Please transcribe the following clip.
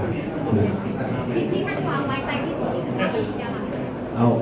ครับ